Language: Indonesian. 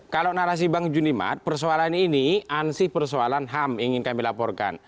kalau narasi bang junimat persoalan ini ansih persoalan ham ingin kami laporkan